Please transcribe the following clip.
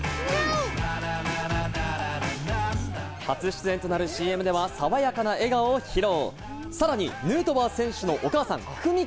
初出演となるＣＭでは、さわやかな笑顔を披露。